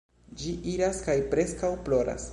Ĝi iras kaj preskaŭ ploras.